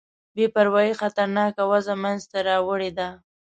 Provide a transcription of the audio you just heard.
بې پروايي خطرناکه وضع منځته راوړې ده.